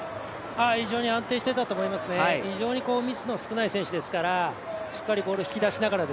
非常に安定していたと思います、非常にミスの少ない選手ですから、しっかりボールを引き出しながら。